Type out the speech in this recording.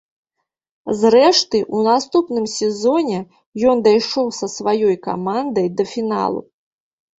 Зрэшты, у наступным сезоне ён дайшоў са сваёй камандай да фіналу.